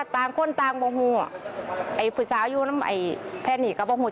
ตามคนตามผมอ่ะไอผู้สาวอยู่น้ำไอแผ่นหี่ก็บางหมู